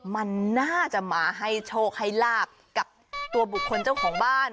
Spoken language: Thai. มันน่าจะมาให้โชคให้ลาบกับตัวบุคคลเจ้าของบ้าน